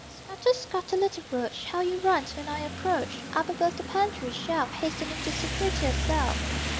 I Scuttle, scuttle, little roach How you run when I approach: Up above the pantry shelf. Hastening to secrete yourself.